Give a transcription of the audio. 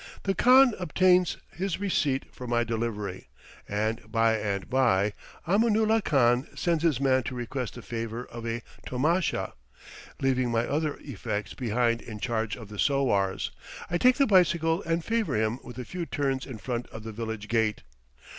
The khan obtains his receipt for my delivery, and by and by Aminulah Khan sends his man to request the favor of a tomasha. Leaving my other effects behind in charge of the sowars, I take the bicycle and favor him with a few turns in front of the village gate.